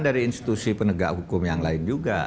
dari institusi penegak hukum yang lain juga